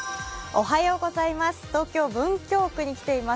東京・文京区に来ています。